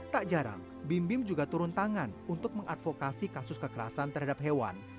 tak jarang bim bim juga turun tangan untuk mengadvokasi kasus kekerasan terhadap hewan